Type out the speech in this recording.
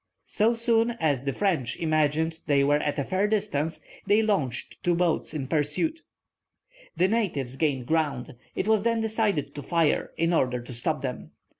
So soon as the French imagined they were at a fair distance, they launched two boats in pursuit. The natives gained ground; it was then decided to fire, in order to stop them.